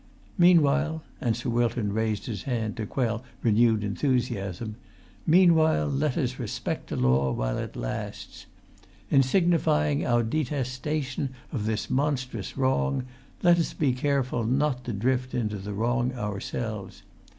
Meanwhile"—and Sir Wilton raised his hand to quell renewed enthusiasm—"meanwhile let us respect the law while it lasts. In signifying our detestation of this monstrous wrong, let us be careful not to drift into the wrong ourselves.